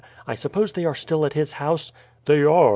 I suppose they are still at his house?" "They are.